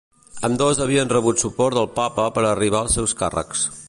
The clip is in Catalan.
Ambdós havien rebut suport del papa per arribar als seus càrrecs.